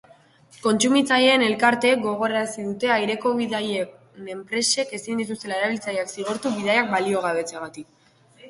Kontsumitzaileen elkarteek gogorarazi dute aireko bidaien enpresek ezin dituztela erabiltzaileak zigortu bidaiak baliogabetzeagatik.